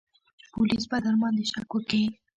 پوليس به درباندې شک وکي.